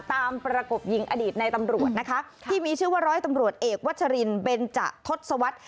ประกบยิงอดีตในตำรวจนะคะที่มีชื่อว่าร้อยตำรวจเอกวัชรินเบนจะทศวรรษ